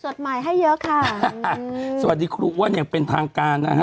ใหม่ให้เยอะค่ะสวัสดีครูอ้วนอย่างเป็นทางการนะฮะ